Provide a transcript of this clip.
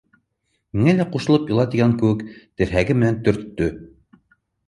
— Миңә лә ҡушылып ила тигән кеүек, терһәге менән төрттө.